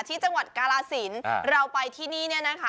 ที่จังหวัดกาลาศิลป์เราไปที่นี่นะคะ